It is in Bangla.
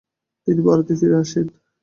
তিনি ভারতে ফিরে আসেন।